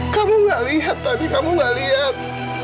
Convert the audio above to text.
kamu enggak lihat tadi kamu enggak lihat